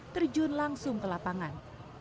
terjun langsung ke lapangan